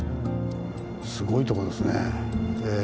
すごいとこですね。